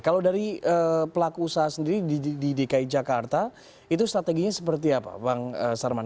kalau dari pelaku usaha sendiri di dki jakarta itu strateginya seperti apa bang sarman